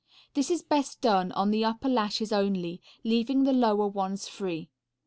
This is best done on the upper lashes only, leaving the lower ones free.